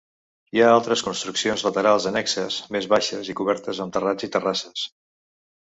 Hi ha altres construccions laterals annexes, més baixes i cobertes amb terrats i terrasses.